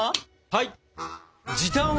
はい！